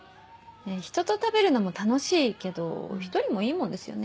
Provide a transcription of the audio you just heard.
人と食べるのも楽しいけど１人もいいもんですよね。